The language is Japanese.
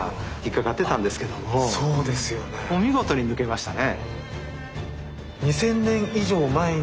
こう見事に抜けましたね。